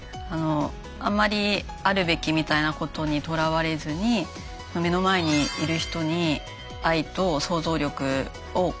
あんまりあるべきみたいなことにとらわれずに目の前にいる人に愛と想像力を傾けていくこと。